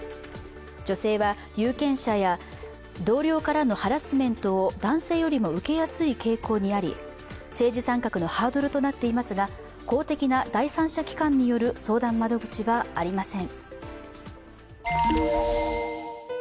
女性は有権者や同僚からのハラスメントを男性よりも受けやすい傾向にあり、政治参画のハードルとなっていますが公的な第三者機関による相談窓口はありません。